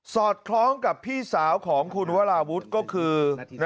อดคล้องกับพี่สาวของคุณวราวุฒิก็คือ